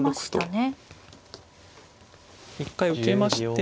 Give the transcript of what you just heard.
一回受けまして。